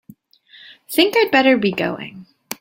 Think I'd better be going.